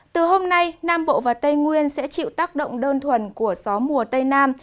từ hôm nay nam bộ và tây nguyên sẽ chịu tác động đơn thuần của gió mùa tây nam